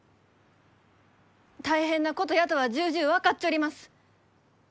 大変なことやとは重々分かっちょります。